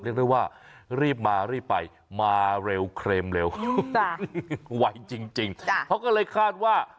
เรียกได้ว่ารีบมารีบไปมาเร็วเครมเร็วไวจริงเขาก็เลยคาดว่า